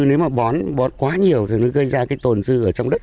nếu mà bón quá nhiều thì nó gây ra cái tồn dư ở trong đất